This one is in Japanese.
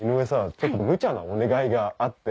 ちょっとむちゃなお願いがあって。